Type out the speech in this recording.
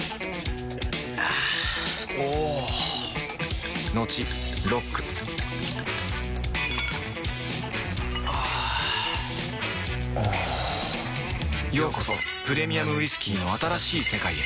あぁおぉトクトクあぁおぉようこそプレミアムウイスキーの新しい世界へ